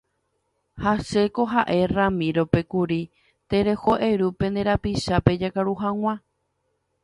Ha chéko ha'e Ramiro-pe kuri tereho eru pe nde rapichápe jakaru hag̃ua.